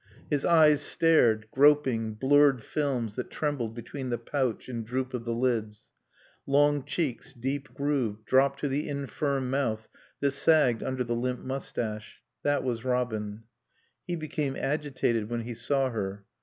His eyes stared, groping, blurred films that trembled between the pouch and droop of the lids; long cheeks, deep grooved, dropped to the infirm mouth that sagged under the limp moustache. That was Robin. He became agitated when he saw her.